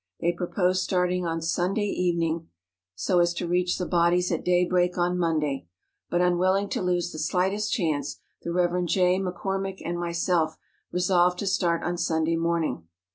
They proposed starting on Sunday evening THE MATTERHORN. 107 SO as to reach the bodies at daybreak on Monday; but unwilling to lose the slightest chance, the Rev. J. M'Cormick and myself resolved to start on Sun¬ day morning.